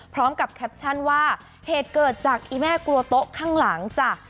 พร้อมกับแคปชั่นว่าเหตุเกิดจากอีแม่กลัวโต๊ะข้างหลังจ้ะ